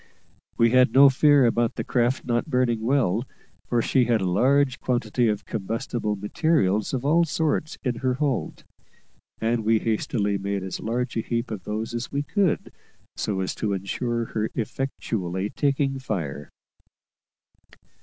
We had no fear about the craft not burning well, for she had a large quantity of combustible materials of all sorts in her hold; and we hastily made as large a heap of these as we could, so as to ensure her effectually taking fire.